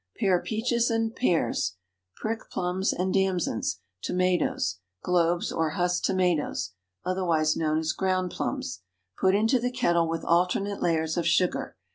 Pare peaches and pears; prick plums and damsons, tomatoes, "globes" or husk tomatoes (otherwise known as ground plums). Put into the kettle with alternate layers of sugar.